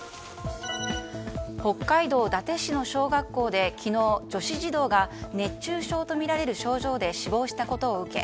北海道伊達市の小学校で昨日女子児童が、熱中症とみられる症状で死亡したことを受け